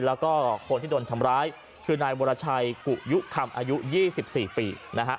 แล้วก็คนที่โดนทำร้ายคือนายวรชัยกุยุคำอายุ๒๔ปีนะฮะ